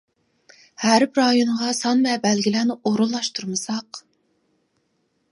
ھەرپ رايونىغا سان ۋە بەلگىلەرنى ئورۇنلاشتۇرمىساق.